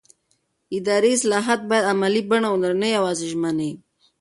اداري اصلاحات باید عملي بڼه ولري نه یوازې ژمنې